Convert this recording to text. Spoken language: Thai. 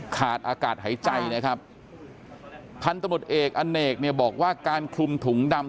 ขาดอากาศหายใจนะครับพันธุ์ตำรวจเอกอเนกบอกว่าการคลุมถุงดำ